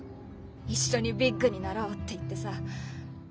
一緒にビッグになろうって言ってさ。